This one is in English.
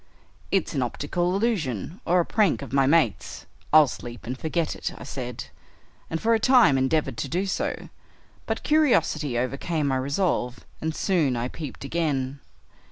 'It's an optical illusion, or a prank of my mates; I'll sleep and forget it,' I said, and for a time endeavored to do so, but curiosity overcame my resolve, and soon I peeped again.